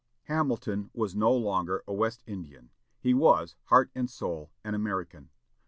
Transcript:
Hamilton was no longer a West Indian; he was, heart and soul, an American.